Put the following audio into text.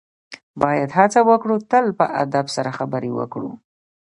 باید هڅه وکړو تل په ادب سره خبرې وکړو.